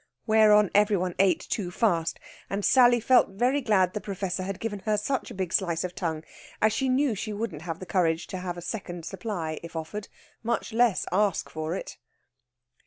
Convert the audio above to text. Whereon every one ate too fast; and Sally felt very glad the Professor had given her such a big slice of tongue, as she knew she wouldn't have the courage to have a second supply, if offered, much less ask for it.